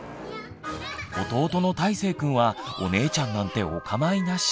弟のたいせいくんはお姉ちゃんなんておかまいなし。